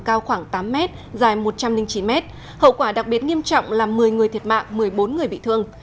cao khoảng tám mét dài một trăm linh chín m hậu quả đặc biệt nghiêm trọng làm một mươi người thiệt mạng một mươi bốn người bị thương